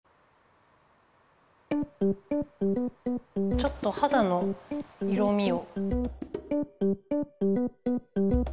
ちょっとはだの色みを。